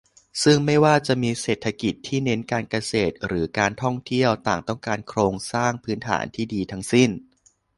ซึ่งไม่ว่าจะมีเศรษฐกิจที่เน้นการเกษตร หรือ การท่องเที่ยว ต่างต้องการโครงสร้างพื้นฐานที่ดีทั้งสิ้น